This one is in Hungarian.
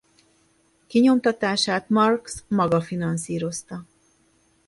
Kinyomtatását Marx maga finanszírozta.